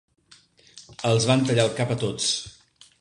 Els van tallar el cap a tots.